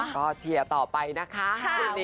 ก็เชียร์ต่อไปนะคะ